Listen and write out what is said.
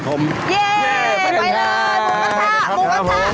เย่ไปเลยหมูกระทะ